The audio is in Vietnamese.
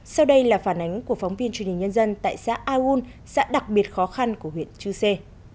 sau đây là phản ánh của phóng viên truyền hình nhân dân tại xã aun xã đặc biệt khó khăn của huyện chư sê